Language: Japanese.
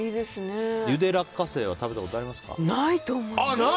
ゆで落花生は食べたことありますか？